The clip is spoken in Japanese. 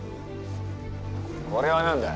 これは何だ？